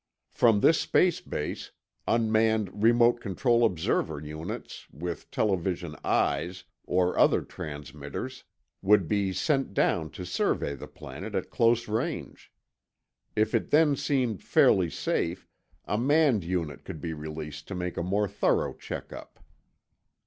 From this space base, unmanned remote control "observer" units with television "eyes" or other transmitters would be sent down to survey the planet at close range. If it then seemed fairly safe, a manned unit could be released to make a more thorough check up.